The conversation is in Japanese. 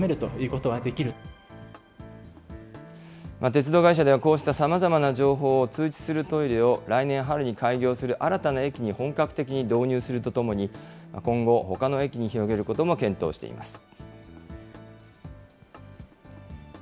鉄道会社では、こうしたさまざまな情報を通知するトイレを、来年春に開業する新たな駅に本格的に導入するとともに、今後、ほかの駅に広げることも検討しています。